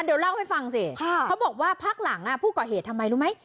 เดี๋ยวเล่าให้ฟังสิเขาบอกว่าพักหลังผู้ก่อเหตุทำไมรู้ไหม